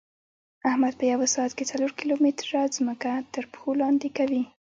احمد په یوه ساعت کې څلور کیلو متېره ځمکه ترپښو لاندې کوي.